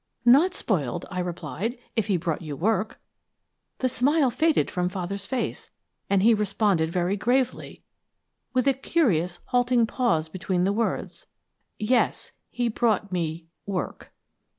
"'Not spoiled,' I replied, 'if he brought you work.' "The smile faded from Father's face, and he responded very gravely, with a curious, halting pause between the words: "'Yes. He has brought me work.'